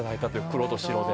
黒と白で。